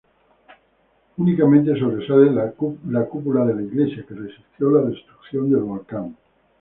Únicamente sobresale la cúpula de la iglesia que, resistió la destrucción del volcán.